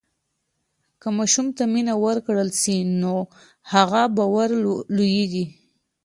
که ماشوم ته مینه ورکړل سي نو هغه باوري لویېږي.